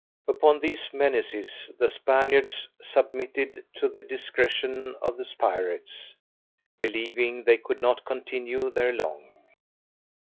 Upon these menaces the Spaniards submitted to the discretion of the pirates, believing they could not continue there long.